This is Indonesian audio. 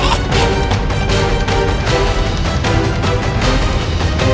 aku harus menggunakan ajem pabuk kasku